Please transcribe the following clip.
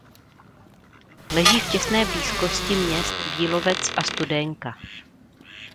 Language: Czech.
Leží v těsné blízkosti měst Bílovec a Studénka.